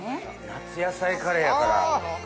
夏野菜カレーやから。